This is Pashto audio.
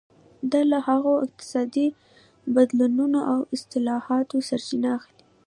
دا له هغو اقتصادي بدلونونو او اصلاحاتو سرچینه اخلي.